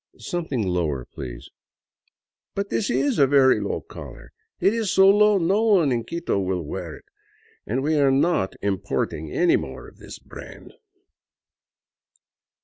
" Something lower, please." " But this is a very low collar ! It is so low that no one in Quito will wear it, and we are not importing any more of this brand."